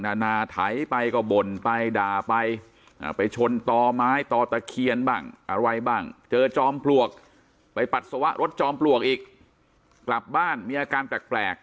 นานาไถไปก็บ่นไปด่าไปไปชนต่อไม้ต่อตะเคียนบ้างอะไรบ้างเจอจอมปลวกไปปัสสาวะรถจอมปลวกอีกกลับบ้านมีอาการแปลก